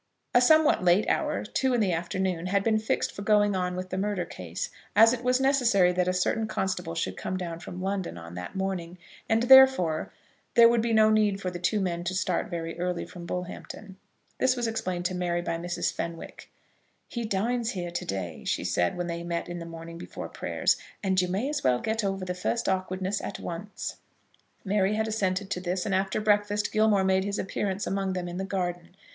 A somewhat late hour, two in the afternoon, had been fixed for going on with the murder case, as it was necessary that a certain constable should come down from London on that morning; and, therefore, there would be no need for the two men to start very early from Bullhampton. This was explained to Mary by Mrs. Fenwick. "He dines here to day," she had said when they met in the morning before prayers, "and you may as well get over the first awkwardness at once." Mary had assented to this, and, after breakfast, Gilmore made his appearance among them in the garden.